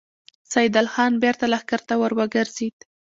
سيدال خان بېرته لښکر ته ور وګرځېد.